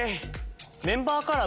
メンバーカラー